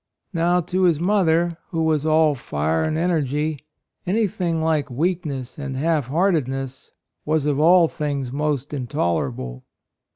Now, to his mother, who was all fire and energy, anything like weakness and half heartedness was of all things most intolerable.